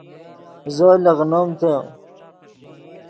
زو لیغنیم تے